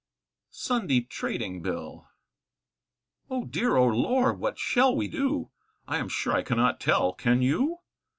SUNDAY TRADING BILL. Oh dear, oh lor, what shall we do? I am sure I cannot tell, can you?